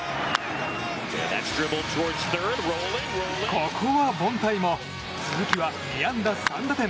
ここは凡退も鈴木は２安打３打点。